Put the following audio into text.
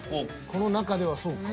この中ではそうか。